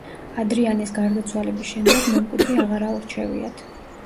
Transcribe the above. ადრიანეს გარდაცვალების შემდეგ მემკვიდრე აღარ აურჩევიათ.